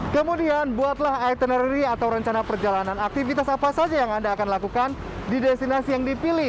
kemudian buatlah itinerary atau rencana perjalanan aktivitas apa saja yang anda akan lakukan di destinasi yang dipilih